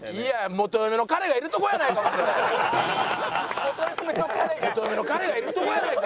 元嫁のカレがいるとこやないか！